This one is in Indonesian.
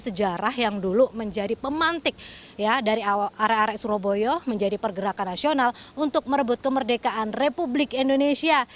sejarah yang dulu menjadi pemantik dari arek arek surabaya menjadi pergerakan nasional untuk merebut kemerdekaan republik indonesia